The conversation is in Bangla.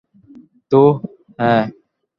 তো, হ্যাঁ।